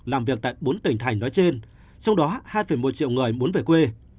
làm việc tại bốn tỉnh thành nói trên trong đó hai một triệu người muốn về quê